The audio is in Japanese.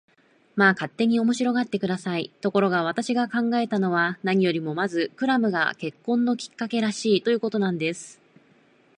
まあ、勝手に面白がって下さい。ところが、私が考えたのは、何よりもまずクラムが結婚のきっかけらしい、ということなんです。